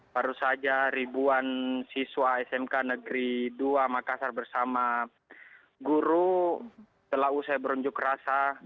baru saja ribuan siswa smk negeri dua makassar bersama guru telah usai berunjuk rasa